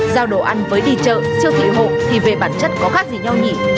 giao đồ ăn với đi chợ siêu thị hộ thì về bản chất có khác gì nhau nhỉ